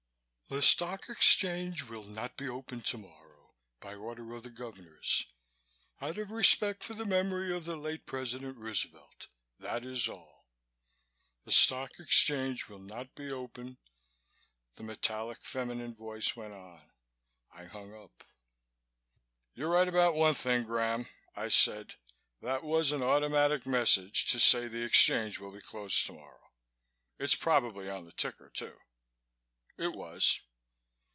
"The Stock Exchange will not be open tomorrow by order of the Governors, out of respect for the memory of the late President Roosevelt. That is all The Stock Exchange will not be open " the metallic feminine voice went on. I hung up. "You're right about one thing, Graham," I said. "That was an automatic message to say the Exchange will be closed tomorrow. It's probably on the ticker, too." It was.